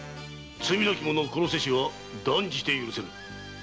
なき者を殺せしは断じて許せぬ。